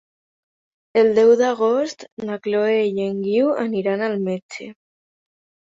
El deu d'agost na Chloé i en Guiu aniran al metge.